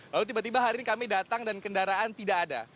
lalu tiba tiba hari ini kami datang dan kendaraan tidak ada